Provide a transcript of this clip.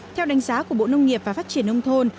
theo đánh giá của bộ nông nghiệp và phát triển nông thôn